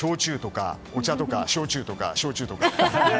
お茶とか焼酎とか、焼酎とか。